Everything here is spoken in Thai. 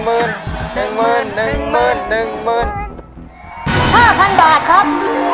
๕๐๐บาทครับ